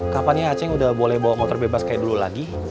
kapan ya acing udah boleh bawa motor bebas kayak dulu lagi